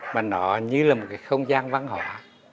mà nó như là một cái không gian văn hóa